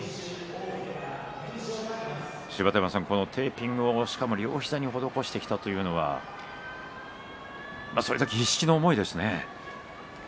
芝田山さん、テーピングを両肘や膝に施してきたというのは必死の思いがですか。